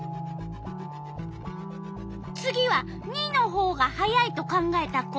次は②のほうが速いと考えた子。